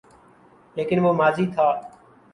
لیکن وہ ماضی تھا۔